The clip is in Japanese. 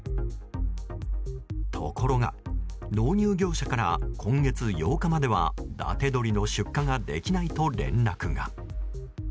ところが、納入業者から今月８日までは、伊達鶏の出荷ができないと、連絡が。